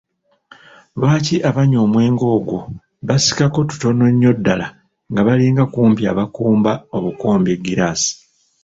Lwaki abanywa omwenge ogwo basikako tutono nnyo ddala nga balinga kumpi abakomba obukombi eggiraasi